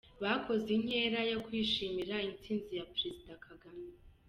Bakoze inkera yo kwishimira intsinzi ya Perezida Kagame .